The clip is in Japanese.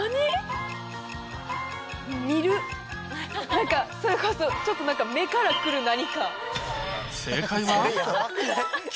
何かそれこそちょっと目からくる何か。